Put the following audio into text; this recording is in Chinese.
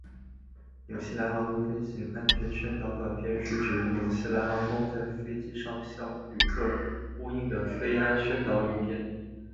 纽西兰航空飞行安全宣导短片是指纽西兰航空在飞机上向旅客播映的飞安宣导影片。